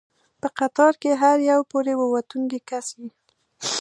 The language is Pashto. په قطار کې هر یو پورې ووتونکی کس یې.